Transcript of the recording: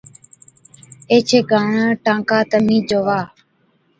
ايڇي ڪاڻ ٽانڪا تمهِين چووا۔